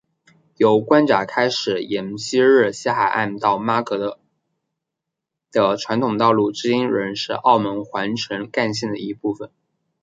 由关闸开始沿昔日西海岸到妈阁的传统道路至今仍然是澳门环城干线的一部分。